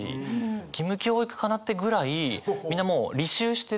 義務教育かな？っていうぐらいみんなもう履修してる。